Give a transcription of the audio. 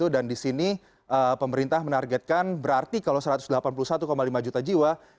dan di sini pemerintah menargetkan berarti kalau satu ratus delapan puluh satu lima juta jiwa